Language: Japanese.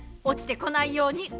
落ちてこないように。